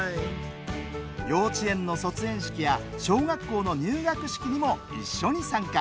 幼稚園の卒園式や小学校の入学式にも一緒に参加。